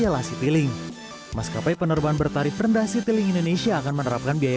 selain lion air bagasi berbayar juga bisa dilakukan oleh lion sejak delapan januari dua ribu sembilan belas